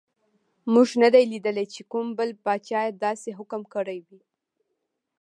موږ نه دي لیدلي چې کوم بل پاچا داسې حکم کړی وي.